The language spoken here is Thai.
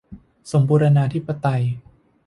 สมบูรณาธิปไตย